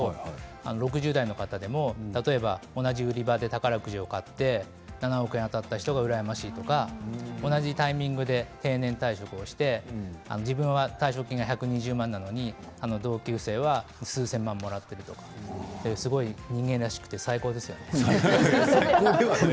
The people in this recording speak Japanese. ６０代の方でも同じ売り場で宝くじを買って７億円当たった人が羨ましいとか同じタイミングで定年退職をして自分の退職金が１２０万なのに同級生は数千万円をもらっているとか人間らしくて最高ですよね。